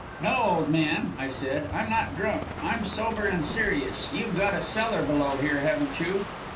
"'No, old man!' I said, 'I'm not drunk. I'm sober and serious. You've got a cellar below here, haven't you?'